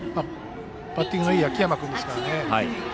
バッティングがいい秋山君ですからね。